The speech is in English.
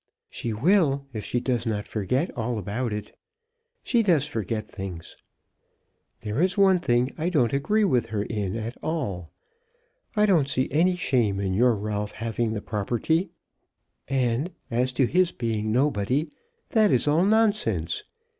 "She will if she does not forget all about it. She does forget things. There is one thing I don't agree with her in at all. I don't see any shame in your Ralph having the property; and, as to his being nobody, that is all nonsense.